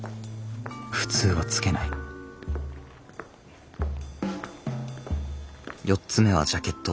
普通はつけない４つ目はジャケット。